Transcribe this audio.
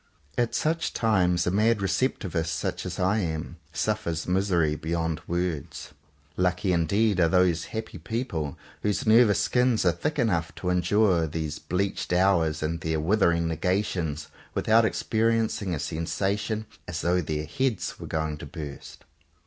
At such times a mad "receptivist," such as I am, suffers misery beyond words. 77 CONFESSIONS OF TWO BROTHERS Lucky indeed are those happy people whose nervous skins are thick enough to endure these bleached hours and their withering negations without experiencing a sensation as though their heads were going to burst.